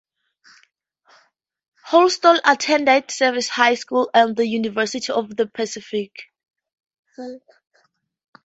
Houlton attended Servite High School and the University of the Pacific.